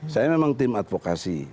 saya memang tim advokasi